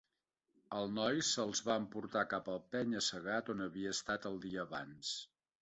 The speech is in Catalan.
El noi se'ls va emportar cap al penya-segat on havia estat el dia abans.